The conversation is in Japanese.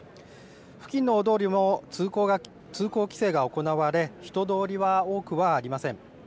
付近の大通りも通行規制が行われ人通りは多くはありません。